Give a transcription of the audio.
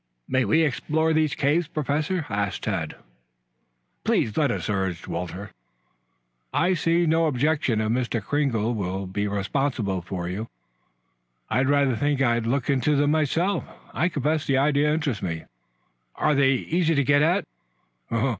"May we explore these caves, Professor?" asked Tad. "Please let us?" urged Walter. "I see no objection if Mr. Kringle will be responsible for you. I rather think I'll look into them myself. I'll confess the idea interests me. Are they easy to get at?"